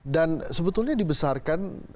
dan sebetulnya dibesarkan